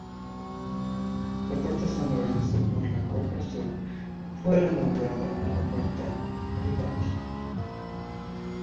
La puerta San Lorenzo, por la cual pasó, fue renombrada a Puerta Garibaldi.